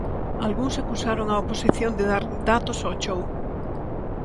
Algúns acusaron á oposición de dar datos ao chou.